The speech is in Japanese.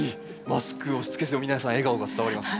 マスクをつけてても皆さん笑顔が伝わります。